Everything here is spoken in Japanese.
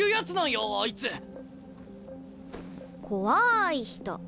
怖い人。